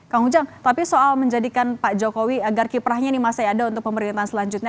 kang ujang tapi soal menjadikan pak jokowi agar kiprahnya ini masih ada untuk pemerintahan selanjutnya